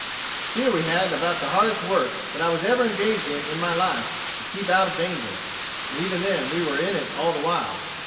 Here we had about the hardest work that I was ever engaged in in my life, to keep out of danger. And even then we were in it all the while.